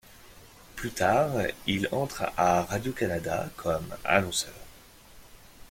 Plus tard, il entre à Radio-Canada comme annonceur.